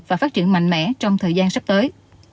và phát triển mạnh mẽ trong thời gian sắp tới